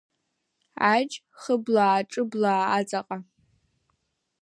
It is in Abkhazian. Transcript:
Аџь хыблаа-ҿыблаа аҵаҟа…